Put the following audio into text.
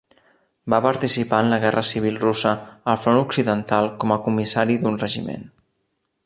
Va participar en la Guerra Civil Russa al front occidental com a comissari d'un regiment.